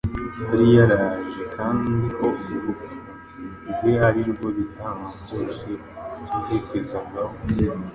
yari yaraje; kandi ko urupfu rwe ari rwo ibitambo byose byerekezagaho.